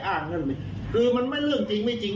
นั่นคือมันไม่เรื่องจริงไม่จริง